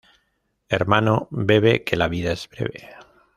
Hermano, bebe, que la vida es breve